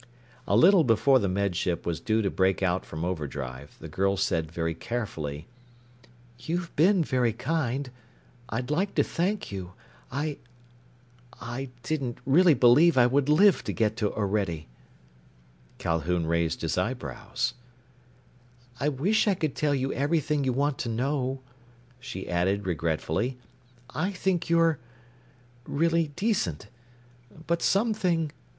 A little before the Med Ship was due to break out from overdrive, the girl said very carefully, "You've been very kind. I'd like to thank you. I I didn't really believe I would live to get to Orede." Calhoun raised his eyebrows. "I wish I could tell you everything you want to know," she added regretfully. "I think you're ... really decent. But some thing...."